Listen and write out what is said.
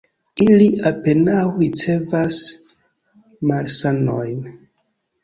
Ili apenaŭ ricevas malsanojn.